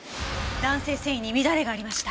弾性繊維に乱れがありました。